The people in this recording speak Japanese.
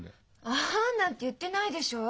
「アハン」なんて言ってないでしょう。